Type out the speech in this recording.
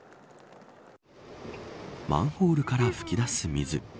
マンホールから噴き出す水。